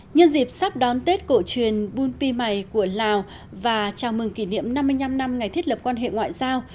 nhân dịp sắp đón tết cổ truyền bun pi mày của lào và chào mừng kỷ niệm năm mươi năm năm ngày thiết lập quan hệ ngoại giao